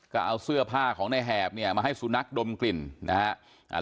ก็เอาเสื้อผ้าของในแหบเนี่ยมาให้สุนัขดมกลิ่นนะครับ